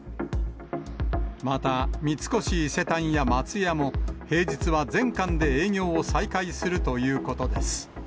また三越伊勢丹や松屋も、平日は全館で営業を再開するということです。